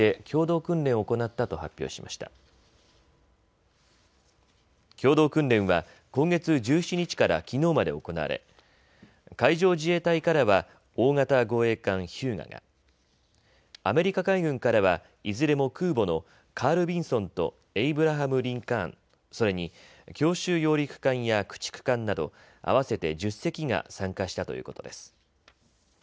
共同訓練は今月１７日からきのうまで行われ海上自衛隊からは大型護衛艦、ひゅうがが、アメリカ海軍からはいずれも空母のカール・ヴィンソンとエイブラハムリンカーン、それに強襲揚陸艦や駆逐艦など合わせて１０隻が参加したということです。